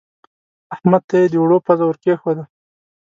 احمد ته يې د اوړو پزه ور کېښوده.